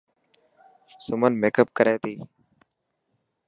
سمن ميڪپ ڪري تي.